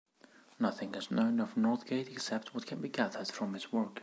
Nothing is known of Northgate except what can be gathered from his work.